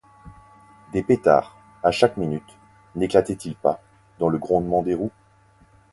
Des pétards, à chaque minute, n'éclataient-ils pas, dans le grondement des roues?